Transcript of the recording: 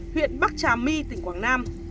huyện bắc trà my tỉnh quảng nam